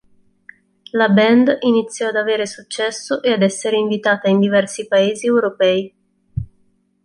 La band iniziò ad avere successo e ad essere invitata in diversi paesi europei.